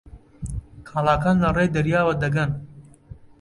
کاڵاکان لەڕێی دەریاوە دەگەن.